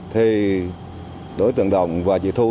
thì đối tượng động và chị thu